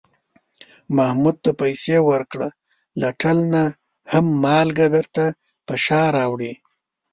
محمود ته پسې ورکړه، له ټل نه هم مالگه درته په شا راوړي.